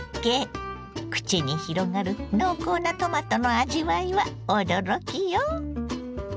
口に広がる濃厚なトマトの味わいは驚きよ。